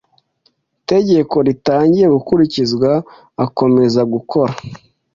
tegeko ritangiye gukurikizwa akomeza gukora